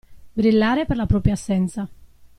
Brillare per la propria assenza.